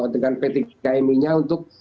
dengan pt kmi nya untuk